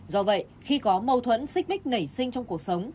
do vậy khi có mâu thuẫn xích bích ngày sinh trong cuộc sống